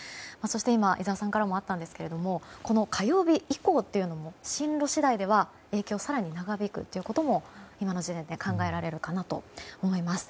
今、井澤さんからもあったんですが火曜日以降というのも進路次第では影響が更に長引くということも今の時点で考えられるかなと思います。